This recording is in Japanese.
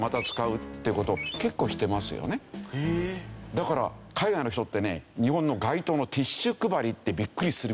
だから海外の人ってね日本の街頭のティッシュ配りってビックリするみたいですね。